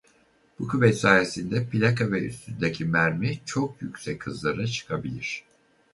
Bu kuvvet sayesinde plaka ve üstündeki mermi çok yüksek hızlara çıkabilir.